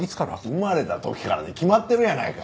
生まれた時からに決まってるやないか！